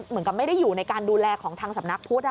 เหมือนกับไม่ได้อยู่ในการดูแลของทางสำนักพุทธ